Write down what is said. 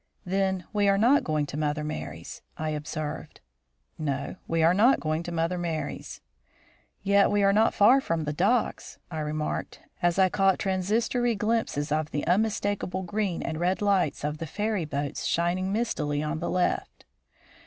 "Then we are not going to Mother Merry's?" I observed. "No, we are not going to Mother Merry's." "Yet we are not far from the docks," I remarked, as I caught transitory glimpses of the unmistakable green and red lights of the ferry boats shining mistily on the left.